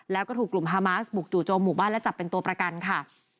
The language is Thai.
แล้วก็ถูกกลุ่มฮามาสบุกจู่โจมหมู่บ้านและจับเป็นตัวประกันค่ะ